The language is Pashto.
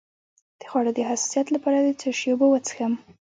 د خوړو د حساسیت لپاره د څه شي اوبه وڅښم؟